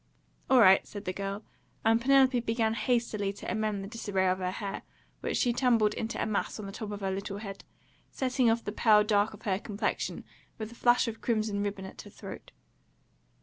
"All right," said the girl, and Penelope began hastily to amend the disarray of her hair, which she tumbled into a mass on the top of her little head, setting off the pale dark of her complexion with a flash of crimson ribbon at her throat.